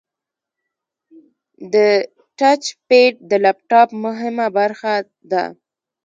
د ټچ پیډ د لپټاپ مهمه برخه ده.